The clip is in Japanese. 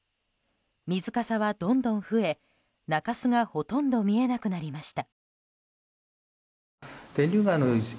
水かさはどんどん増え、中州がほとんど見えなくなりました。